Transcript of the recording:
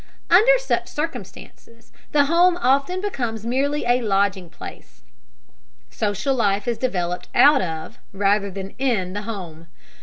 Under such circumstances, the home often becomes merely a lodging place. Social life is developed out of, rather than in, the home.